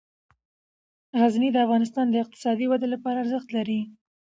غزني د افغانستان د اقتصادي ودې لپاره ارزښت لري.